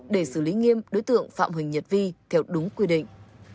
để xử lý nghiêm đối tượng phạm huỳnh nhật vi theo đúng quy định